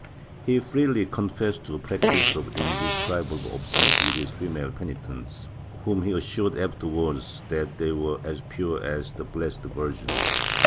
He freely confessed to practices of indescribable obscenity with his female penitents, whom he assured afterwards that they were as pure as the Blessed virgin.